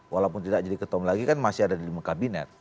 walaupun tidak jadi ketom lagi kan masih ada di lima kabinet